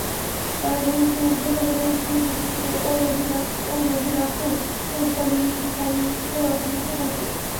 তাঁর রূহকে ঊর্ধ জগতে উঠিয়ে নিতে ও নবী-রাসূল ও সালিহীনদের অন্তর্ভুক্ত করতে।